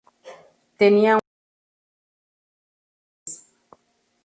Tenía una prensa de vino y almacenes.